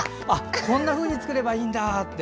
こんなふうに作ればいいんだって。